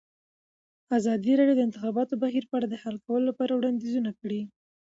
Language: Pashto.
ازادي راډیو د د انتخاباتو بهیر په اړه د حل کولو لپاره وړاندیزونه کړي.